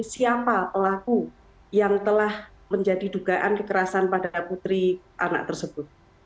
siapa pelaku yang telah menjadi dugaan kekerasan pada putri anak tersebut